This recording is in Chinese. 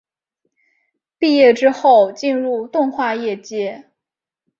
毕业之后进入动画业界。